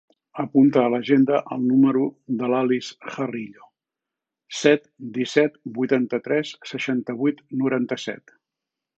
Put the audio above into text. Apunta a l'agenda el número de l'Alice Jarillo: set, disset, vuitanta-tres, seixanta-vuit, noranta-set.